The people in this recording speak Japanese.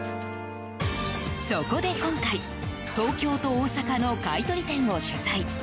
そこで今回、東京と大阪の買い取り店を取材。